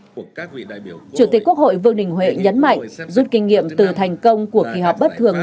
chủ tịch quốc hội vương đình huệ nhấn mạnh rút kinh nghiệm từ thành công của kỳ họp bất thường